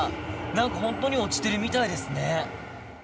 何か本当に落ちているみたいですね。